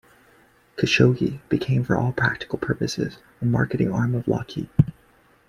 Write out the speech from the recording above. Khashoggi became for all practical purposes a marketing arm of Lockheed.